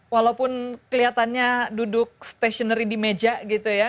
walaupun kelihatannya duduk stationary di meja gitu ya